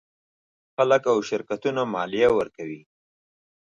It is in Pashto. خلک او شرکتونه مالیه ورکوي.